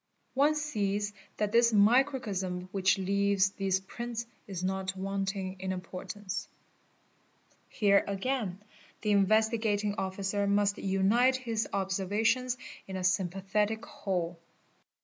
One sees that " this microcosm which leaves these prints is not wanting in importance. Here, again, the Investigating Officer ust unite his observations in a 5 mpathetic whole.